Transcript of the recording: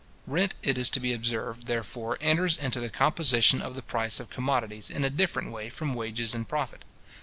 Rent, it is to be observed, therefore, enters into the composition of the price of commodities in a different way from wages and profit.